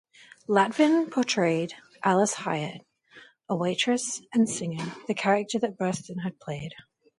Lavin portrayed Alice Hyatt, a waitress and singer, the character that Burstyn had played.